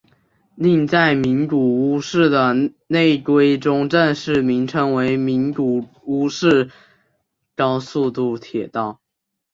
另在名古屋市的内规中正式名称为名古屋市高速度铁道。